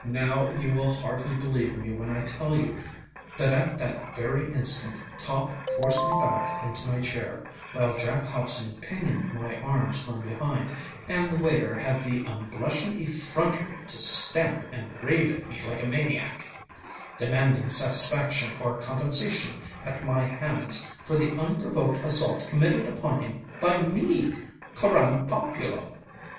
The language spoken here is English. Now you will hardly believe me when I tell you that at that very instant Topp forced me back into my chair, while Jack Hobson pinioned my arms from behind, and the waiter had the unblushing effrontery to stamp and rave at me like a maniac, demanding satisfaction or compensation at my hands for the unprovoked assault committed upon him by me, coram populo!